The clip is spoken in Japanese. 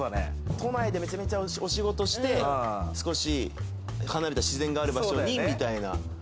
都内でめちゃめちゃお仕事して、少し離れた自然がある場所にみたいな。